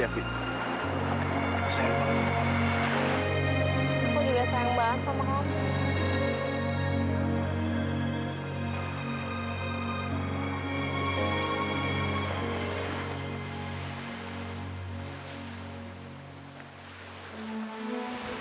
aku juga sayang banget sama kamu